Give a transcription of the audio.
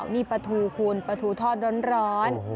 นี่ปลาทูคุณปลาทูทอดร้อน